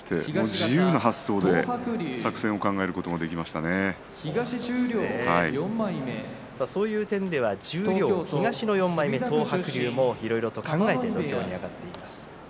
自由な発想でそういう点では十両東の４枚目、東白龍もいろいろと考えて土俵に上がっています。